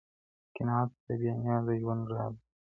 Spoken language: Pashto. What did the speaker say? قناعت د بې نیازه ژوند راز دی.